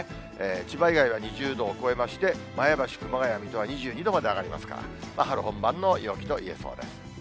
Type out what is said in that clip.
千葉以外は２０度を超えまして、前橋、熊谷、水戸は２２度まで上がりますから、春本番の陽気と言えそうです。